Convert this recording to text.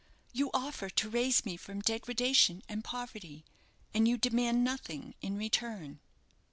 "You offer to raise me from degradation and poverty, and you demand nothing in return."